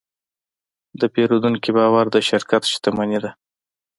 د پیرودونکي باور د شرکت شتمني ده.